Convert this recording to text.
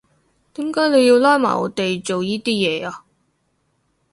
點解你要拉埋我哋做依啲嘢呀？